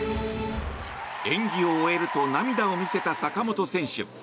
演技を終えると涙を見せた坂本選手。